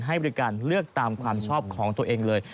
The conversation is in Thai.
ให้บริการเลือกตามความชอบของตัวเองเลย